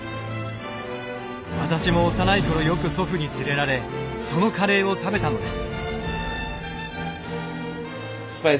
私も幼い頃よく祖父に連れられそのカレーを食べたのです。